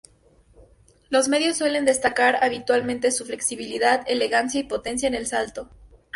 Los medios suelen destacar habitualmente su flexibilidad, elegancia y potencia en el salto.